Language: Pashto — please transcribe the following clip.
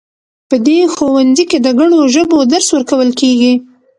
په دې ښوونځي کې د ګڼو ژبو درس ورکول کیږي